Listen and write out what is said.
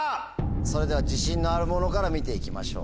それでは自信のあるものから見ていきましょう。